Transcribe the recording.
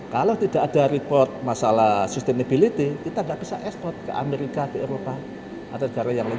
kalau tidak ada report masalah sustainability kita tidak bisa ekspor ke amerika ke eropa atau negara yang lain